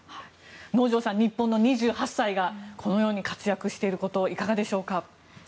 能條さん、日本の２８歳がこのように活躍していることいかがでしょうか。